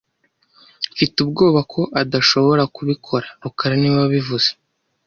Mfite ubwoba ko adashobora kubikora rukara niwe wabivuze